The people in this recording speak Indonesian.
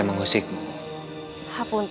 apa yang di udara ini